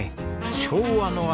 昭和の味